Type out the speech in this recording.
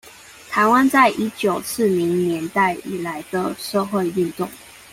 臺灣在一九四零年代以來的社會運動